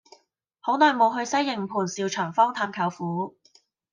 好耐無去西營盤兆祥坊探舅父